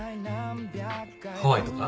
ハワイとか？